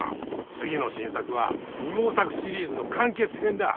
次の新作は『二毛作』シリーズの完結編だ。